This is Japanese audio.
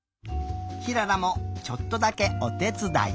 ひららもちょっとだけおてつだい。